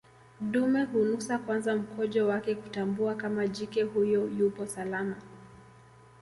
Dume hunusa kwanza mkojo wake kutambua kama jike huyo yupo salama